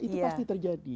itu pasti terjadi